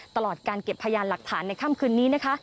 ตลอดการเก็บพยานหลักฐานในค่ำคืนนี้นะคะ